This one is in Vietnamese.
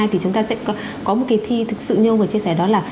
thì chúng ta sẽ có một kỳ thi thực sự như ông vừa chia sẻ đó là